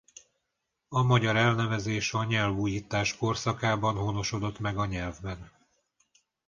A magyar elnevezés a nyelvújítás korszakában honosodott meg a nyelvben.